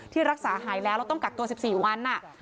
ที่รักษาหายแล้วเราต้องกักตัวสิบสี่วันอ่ะครับ